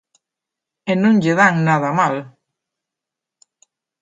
E non lle dan nada mal.